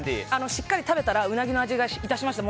しっかり食べたらうなぎの味が致しました。